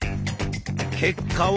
結果は？